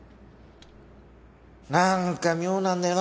なんか妙なんだよな